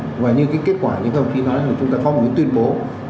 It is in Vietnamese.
ngoài như kết quả như thông tin nói chúng ta có một tuyên bố